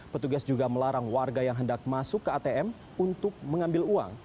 petugas juga melarang warga yang hendak masuk ke atm untuk mengambil uang